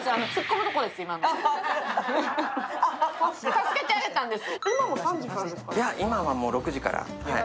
助けてあげたんです。